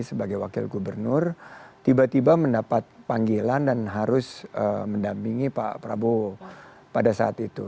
sebagai wakil gubernur tiba tiba mendapat panggilan dan harus mendampingi pak prabowo pada saat itu